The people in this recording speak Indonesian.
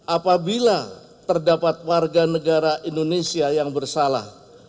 apabila terdapat warga negara indonesia yang bersalah